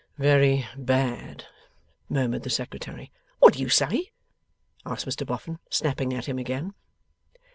'Very bad,' murmured the Secretary. 'What do you say?' asked Mr Boffin, snapping at him again.